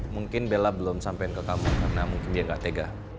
mungkin bella belum sampai ke kamu karena mungkin dia nggak tega